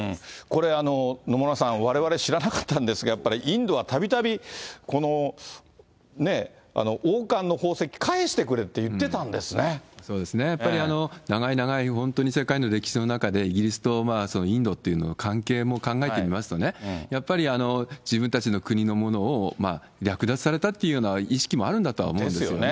これ、野村さん、われわれ知らなかったんですが、やっぱりインドはたびたび、この王冠の宝石、そうですね、やっぱり長い長い、本当に世界の歴史の中で、イギリスとインドっていうのは、関係も考えてみますとね、やっぱり自分たちの国のものを略奪されたっていうような意識もあるんだとは思うんですよね。